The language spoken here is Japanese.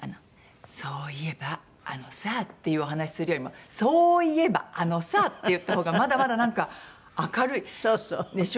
「そういえばあのさ」ってお話しするよりも「そういえばあのさ！」って言った方がまだまだなんか明るいでしょ。